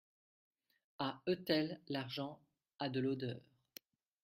A Etel, l'argent a de l'odeur.